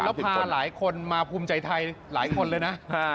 แล้วพาหลายคนมาภูมิใจไทยหลายคนเลยนะ